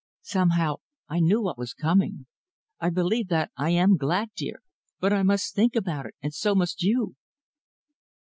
Somehow I knew what was coming. I believe that I am glad, dear, but I must think about it, and so must you."